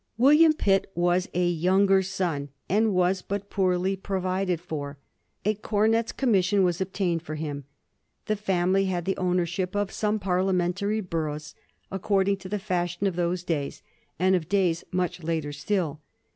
William Pitt was a younger son, and was but poorly pro vided for. A cornet's commission was obtained for him. The family had the ownership of some parliamentary bor oughs, according to the fashion of those days and of days much later still.